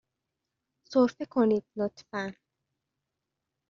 سرفه کنید، لطفاً.